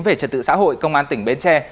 về trật tự xã hội công an tỉnh bến tre